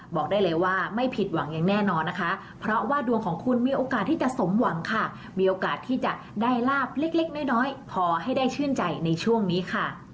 บอกได้เลยว่าไม่ผิดหวังอย่างแน่นอนนะคะเพราะว่าดวงของคุณมีโอกาสที่จะสมหวังค่ะมีโอกาสที่จะได้ลาบเล็กน้อยพอให้ได้ชื่นใจในช่วงนี้ค่ะ